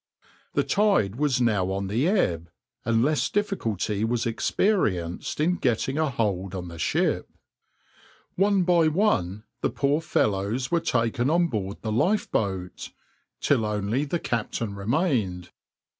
The tide was now on the ebb, and less difficulty was experienced in getting a hold on the ship. One by one the poor fellows were taken on board the lifeboat, till only the captain remained.